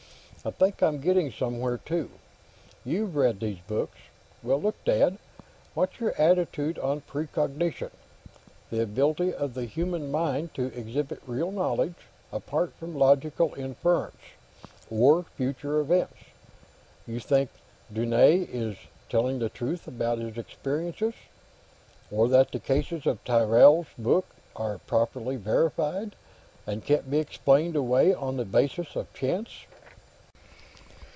"I think I'm getting somewhere, too. You've read these books? Well, look, Dad; what's your attitude on precognition? The ability of the human mind to exhibit real knowledge, apart from logical inference, of future events? You think Dunne is telling the truth about his experiences? Or that the cases in Tyrrell's book are properly verified, and can't be explained away on the basis of chance?"